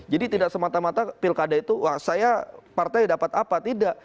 jadi tidak semata mata pilkada itu saya partai dapat apa tidak